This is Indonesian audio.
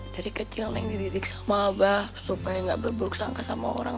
dari kecil neng dididik sama abah supaya gak berburuk sangka sama orang